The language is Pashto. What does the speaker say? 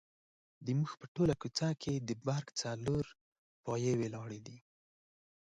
زموږ په ټوله کوڅه کې د برېښنا څلور ستنې ولاړې دي.